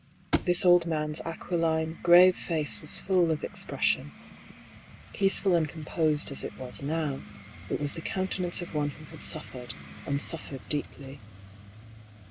This old man's aquiline, grave face was full of ex pression. Peaceful and composed as it was now, it was the countenance of one who had suffered, and suffered deeply.